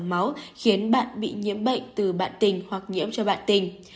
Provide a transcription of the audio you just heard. máu khiến bạn bị nhiễm bệnh từ bạn tình hoặc nhiễm cho bạn tình